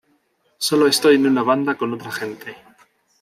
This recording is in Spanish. Sólo estoy en una banda con otra gente".